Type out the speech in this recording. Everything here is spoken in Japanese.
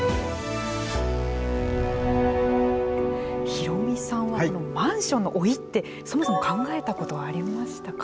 ヒロミさんはこのマンションの老いってそもそも考えたことはありましたか。